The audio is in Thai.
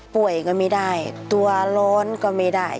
ป่วยก็ไม่ได้ตัวร้อนก็ไม่ได้